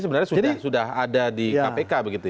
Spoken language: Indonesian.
sebenarnya sudah ada di kpk